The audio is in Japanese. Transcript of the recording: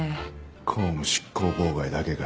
公務執行妨害だけか。